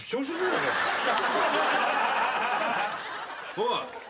おい。